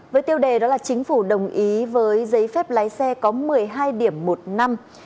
với tiêu đề đó là chính phủ đồng ý với giấy phép lái xe có một mươi hai điểm một năm